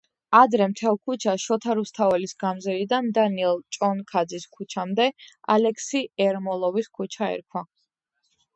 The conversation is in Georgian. ადრე მთელ ქუჩას, შოთა რუსთაველის გამზირიდან დანიელ ჭონქაძის ქუჩამდე, ალექსი ერმოლოვის ქუჩა ერქვა.